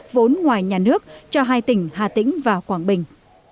vốn ngoài nhà nước cho hai tỉnh hà tĩnh và quảng bình